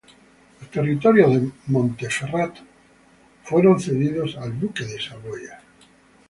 Los territorios de Montferrato fueron cedidos al duque de Saboya.